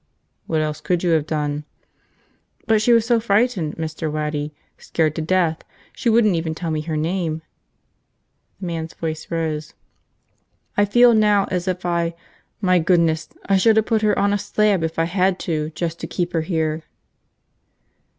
"What else could you have done?" "But she was so frightened, Mr. Waddy, scared to death! She wouldn't even tell me her name!" The man's voice rose. "I feel now as if I – my goodness – I should have put her on a slab if I had to, just to keep her here!"